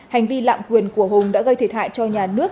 hành vi lạm quyền của hùng đã gây thể thại cho nhà nước